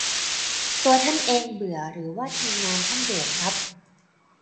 ตัวท่านเองเบื่อ หรือว่า ทีมงาน ท่านเบื่อครับ ?